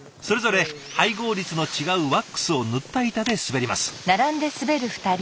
それぞれ配合率の違うワックスを塗った板で滑ります。